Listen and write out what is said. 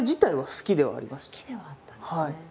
好きではあったんですね。